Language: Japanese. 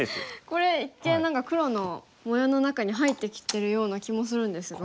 これ一見何か黒の模様の中に入ってきてるような気もするんですが。